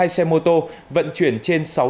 hai xe mô tô vận chuyển trên